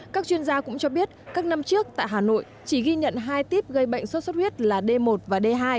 các chuyên gia cũng cho biết các năm trước tại hà nội chỉ ghi nhận hai tiếp gây bệnh sốt xuất huyết là d một và d hai